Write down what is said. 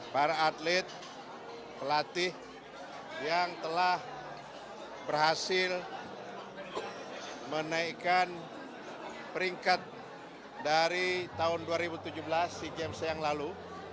para atlet pelatih yang telah berhasil menaikkan peringkat dari tahun dua ribu tujuh belas sea games yang lalu